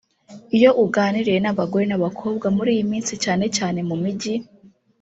Iyo uganiriye n’abagore n’abakobwa muri iyi minsi cyane cyane mu mijyi